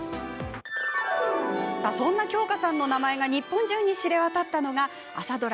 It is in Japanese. そんな京香さんの名前が日本中に知れ渡ったのが朝ドラ